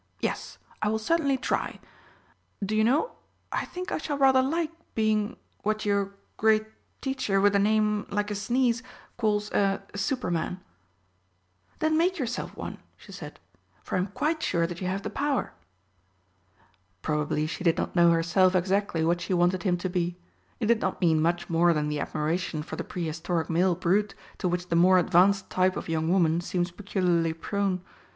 "Yes, I will certainly try. Do you know, I think I shall rather like being what your great teacher with a name like a sneeze calls a Superman." "Then make yourself one," she said, "for I am quite sure that you have the power." Probably she did not know herself exactly what she wanted him to be; it did not mean much more than the admiration for the prehistoric male brute to which the more advanced type of young woman seems peculiarly prone.